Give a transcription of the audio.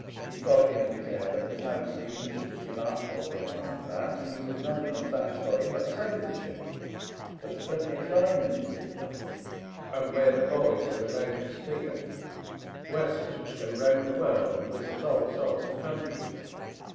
He's got it into his head that there's no seamanship to be larnt aboard them ironclads, and he says nothen '11 satisfy him but a sailing ship, where there's plenty of climbing to be done and where the boys are allowed to steer ; wessels which go round the world and wisits all sorts ''THAT THJlRE LITTLE TOMMYS 271 of countries, for.